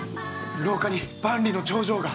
廊下に万里の長城が。